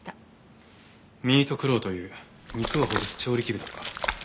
ミートクロウという肉をほぐす調理器具だとか。